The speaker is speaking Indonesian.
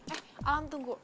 eh alam tunggu